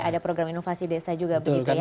ada program inovasi desa juga begitu ya